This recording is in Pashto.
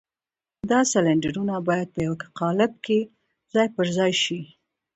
دا سلنډرونه بايد په يوه قالب کې ځای پر ځای شي.